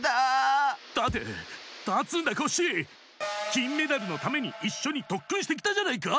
きんメダルのためにいっしょにとっくんしてきたじゃないか！